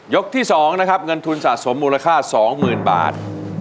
ที่๒นะครับเงินทุนสะสมมูลค่า๒๐๐๐บาท